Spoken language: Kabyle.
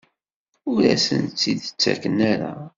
Ur asent-t-id-ttaken ara?